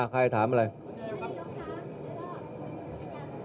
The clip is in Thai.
คุณพิกัดส่งโดยสอบมาในการแบ่งนี้ครับ